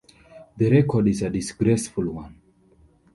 The record is a disgraceful one.